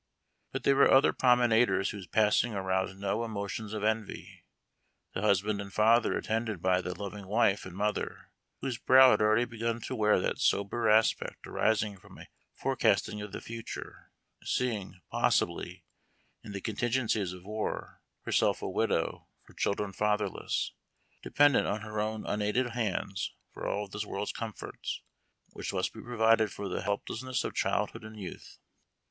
But there were other promenaders whose passing aroused no emotions of envy. The husband and father attended by the loving wife and mother, whose brow had already begun to wear that sober aspect arising from a fore casting of the future, seeing, possibly, in the contingencies of war, herself a widow, her children fatherless — dependent on her own unaided hands for all of this world's comforts, which must be provided for the helplessness of childhood and youth.